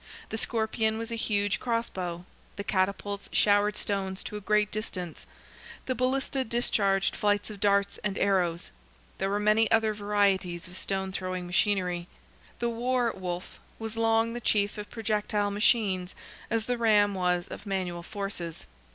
The scorpion was a huge cross bow, the catapults showered stones to a great distance; the ballista discharged flights of darts and arrows. There were many other varieties of stone throwing machinery; "the war wolf" was long the chief of projectile machines, as the ram was of manual forces.